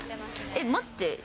えっ、待って。